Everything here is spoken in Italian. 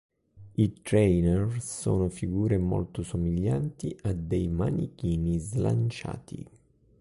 I trainer sono figure molto somiglianti a dei manichini slanciati.